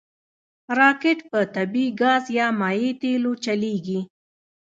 راکټ په طبعي ګاز یا مایع تېلو چلیږي